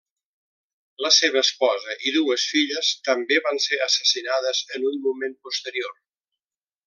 La seva esposa i dues filles també van ser assassinades en un moment posterior.